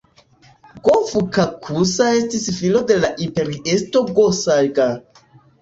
Go-Fukakusa estis filo de la imperiestro Go-Saga.